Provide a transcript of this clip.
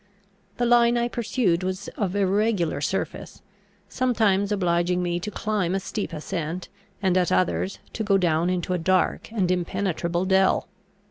The line I pursued was of irregular surface, sometimes obliging me to climb a steep ascent, and at others to go down into a dark and impenetrable dell.